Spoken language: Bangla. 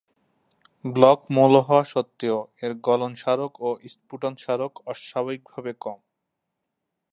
ব্লক মৌল হওয়া সত্ত্বেও এর গলনম্বরক ও স্ফুটনম্বরক অস্বাভাবিকভাবে কম।